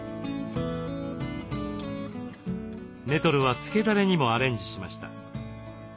ネトルはつけだれにもアレンジしました。